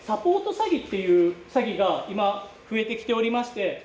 詐欺という詐欺が今増えてきておりまして。